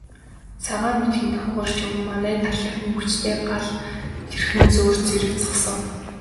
Цагаан тугийн дохиогоор ч юм уу, манай талынхны хүчтэй гал тэрхэн зуур зэрэг зогсов.